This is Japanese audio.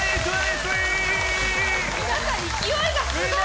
皆さん、勢いがすごい！